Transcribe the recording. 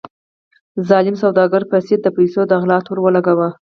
ظالم سوداګر په سید د پیسو د غلا تور ولګاوه.